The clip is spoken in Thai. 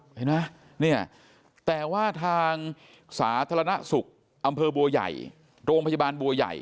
เห็นไหมเนี่ยแต่ว่าทางสาธารณสุขอำเภอบัวใหญ่โรงพยาบาลบัวใหญ่